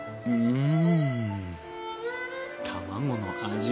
うん！